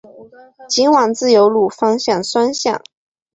仅往自由路方向双向